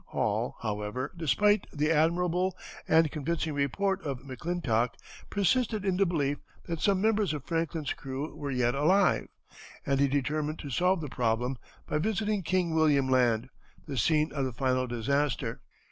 Hall, however, despite the admirable and convincing report of McClintock, persisted in the belief that some members of Franklin's crew were yet alive, and he determined to solve the problem by visiting King William Land, the scene of the final disaster.